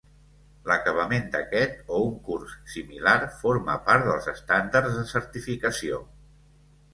L'acabament d'aquest, o un curs similar, forma part dels estàndards de certificació.